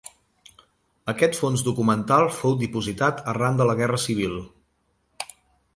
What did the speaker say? Aquest fons documental fou dipositat arran de la guerra civil.